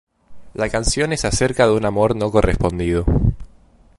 La canción es acerca de un amor no correspondido.